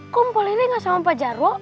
kok mpo leli gak sama mpa jarwo